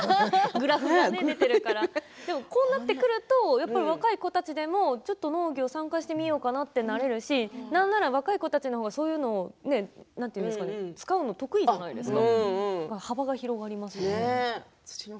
グラフが出ているからこうなってくるとやっぱり若い子たちでも農業に参加してみようかなってなれるしなんなら若い子たちの方がそういうのを使うの得意じゃないですか